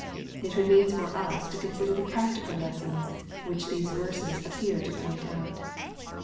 It remains for us to consider the practical lessons which these verses appear to point out.